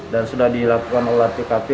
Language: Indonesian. dan sudah dilakukan oleh tkp